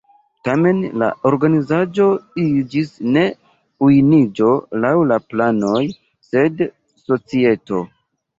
Tamen la organizaĵo iĝis ne Unuiĝo laŭ la planoj, sed "Societo".